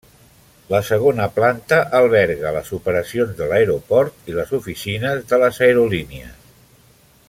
La segona planta alberga les operacions de l'aeroport i les oficines de les aerolínies.